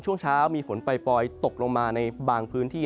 ช่วงเช้ามีฝนปล่อยตกลงมาในบางพื้นที่